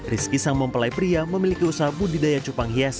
rizky sang bompelai priya memiliki usaha budidaya cupang hias